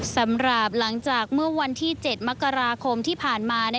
สำหรับหลังจากเมื่อวันที่๗มกราคมที่ผ่านมา